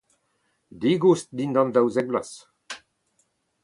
Digoust dindan daouzek vloaz.